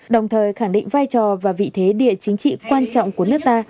đồng thời khẳng định vai trò và vị thế địa chính trị quan trọng của nước ta